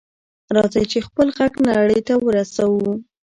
راځئ چې خپل غږ نړۍ ته ورسوو.